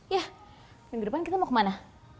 ya minggu depan kita mau kemana